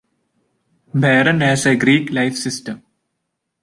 Behrend has a Greek life system.